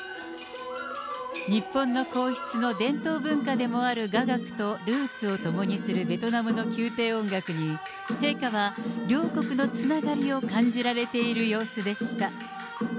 日本の皇室の伝統文化でもある雅楽とルーツを共にするベトナムの宮廷音楽に、陛下は両国のつながりを感じられている様子でした。